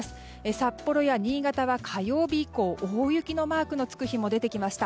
札幌や新潟は火曜日以降大雪のマークがつく日も出てきました。